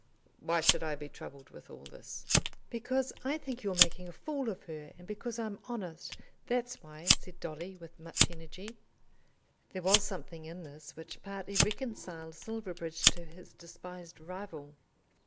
"Why should I be troubled with all this?" "Because I think you're making a fool of her, and because I'm honest. That's why," said Dolly with much energy. There was something in this which partly reconciled Silverbridge to his despised rival.